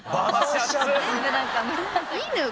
いいのよ